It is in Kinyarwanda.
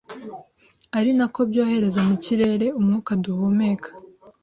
ari na ko byohereza mu kirere umwuka duhumeka